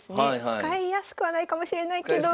使いやすくはないかもしれないけど。